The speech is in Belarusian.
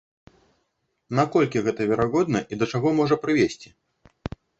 На колькі гэта верагодна і да чаго можа прывесці?